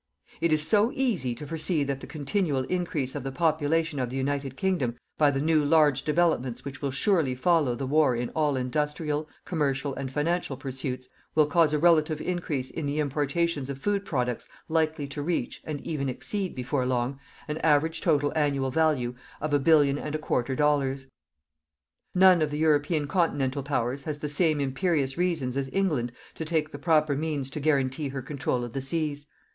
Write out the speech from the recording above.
It is so easy to foresee that the continual increase of the population of the United Kingdom, by the new large developments which will surely follow the war in all industrial, commercial and financial pursuits, will cause a relative increase in the importations of food products likely to reach, and even exceed before long, an average total annual value of a billion and a quarter dollars. None of the European continental Powers has the same imperious reasons as England to take the proper means to guarantee her control of the seas.